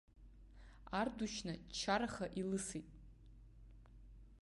Ардушьна ччараха илысит.